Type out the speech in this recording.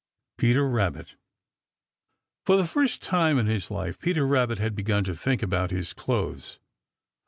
Peter Rabbit. For the first time in his life Peter Rabbit had begun to think about his clothes.